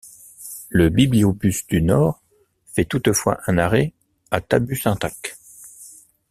Le bibliobus du Nord fait toutefois un arrêt à Tabusintac.